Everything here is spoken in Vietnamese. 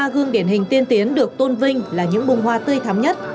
sáu mươi ba gương điển hình tiên tiến được tôn vinh là những bông hoa tươi thắm nhất